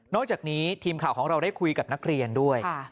อกจากนี้ทีมข่าวของเราได้คุยกับนักเรียนด้วย